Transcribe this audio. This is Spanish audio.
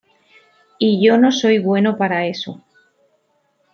Y yo no soy bueno para eso.